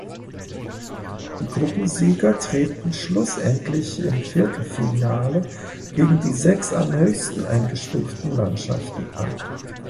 Die Gruppensieger treten schlussendlich im Viertelfinale gegen die sechs am höchsten eingestuften Mannschaften an.